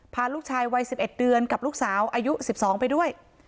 พาลูกชายวัย๑๑เดือนกับลูกสาวอายุ๑๒ไปด้วย